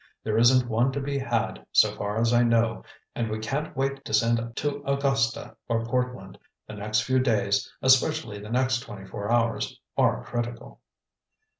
There isn't one to be had, so far as I know, and we can't wait to send to Augusta or Portland. The next few days, especially the next twenty four hours, are critical."